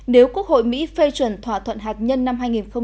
nếu quốc hội mỹ phê chuẩn thỏa thuận hạt nhân năm hai nghìn một mươi năm